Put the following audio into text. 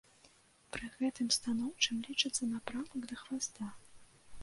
Пры гэтым станоўчым лічыцца напрамак да хваста.